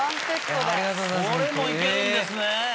それもいけるんですね。